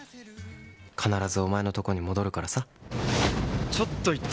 必ずお前のところに戻るからさ。